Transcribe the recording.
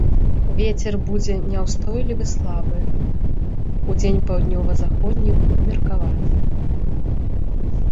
Вецер будзе няўстойлівы слабы, удзень паўднёва-заходні ўмеркаваны.